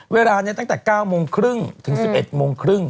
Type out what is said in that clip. เวลานี้ตั้งแต่๙โมงครึ่งถึง๑๑โมงครึ่ง